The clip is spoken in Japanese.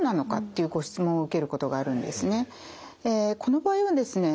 この場合はですね